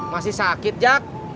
masih sakit jak